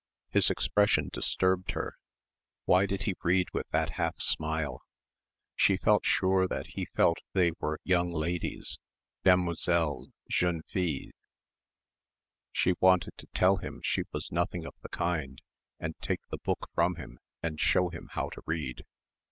His expression disturbed her. Why did he read with that half smile? She felt sure that he felt they were "young ladies," "demoiselles," "jeunes filles." She wanted to tell him she was nothing of the kind and take the book from him and show him how to read.